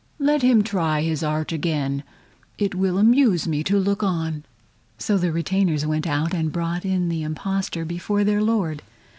Let him try his art again; it will amuse me to look on." So the retainers went out and brought in the impostor before their Lord.